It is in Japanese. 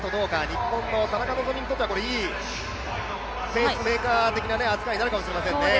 日本の田中希実にとってはいいペースメーカー的な扱いになるかもしれませんね。